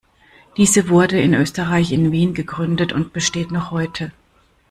Diese wurde in Österreich in Wien gegründet und besteht noch heute.